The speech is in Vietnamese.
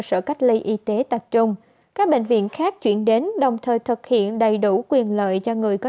hội y tế tập trung các bệnh viện khác chuyển đến đồng thời thực hiện đầy đủ quyền lợi cho người có